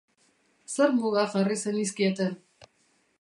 Zer muga jarri zenizkieten?